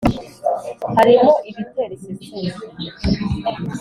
harimo ibitera iseseme,